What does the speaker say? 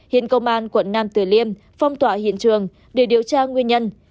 hiện công an quận nam tử liêm phong tỏa hiện trường để điều tra nguyên nhân